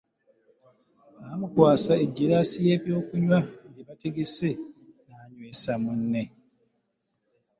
Baamukwasa eggiraasi y’ebyokunywa bye baategese n’anywesa munne.